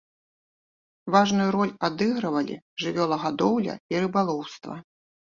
Важную ролю адыгрывалі жывёлагадоўля і рыбалоўства.